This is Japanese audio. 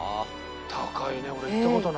高いね俺行った事ない。